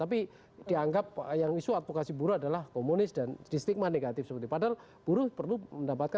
tapi dianggap yang isu atau tidak itu adalah partai buruh ya